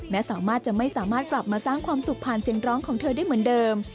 สามารถจะไม่สามารถกลับมาสร้างความสุขผ่านเสียงร้องของเธอได้เหมือนเดิม